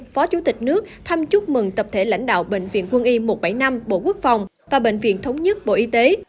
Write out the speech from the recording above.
phó chủ tịch nước thăm chúc mừng tập thể lãnh đạo bệnh viện quân y một trăm bảy mươi năm bộ quốc phòng và bệnh viện thống nhất bộ y tế